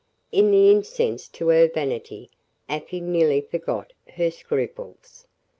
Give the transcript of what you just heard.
In the incense to her vanity, Afy nearly forgot her scruples.